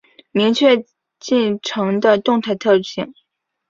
明确进程的动态特性